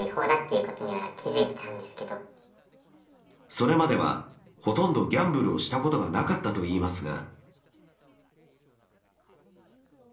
それまではほどんとギャンブルをしたことがなかったといいますが。